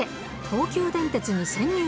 東急電鉄に潜入。